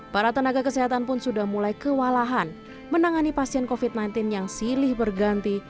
para tenaga kesehatan pun sudah mulai kewalahan menangani pasien covid sembilan belas yang silih berganti